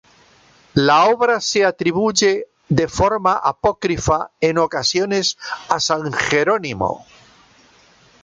La obra se atribuye de forma apócrifa en ocasiones a san Jerónimo.